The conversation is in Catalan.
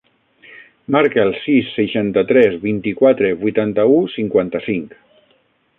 Marca el sis, seixanta-tres, vint-i-quatre, vuitanta-u, cinquanta-cinc.